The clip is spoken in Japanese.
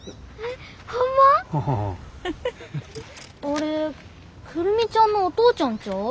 あれ久留美ちゃんのお父ちゃんちゃう？